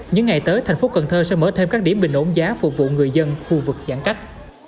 những ngày tới thành phố cần thơ sẽ mở thêm các điểm bình ổn giá phục vụ người dân khu vực giãn cách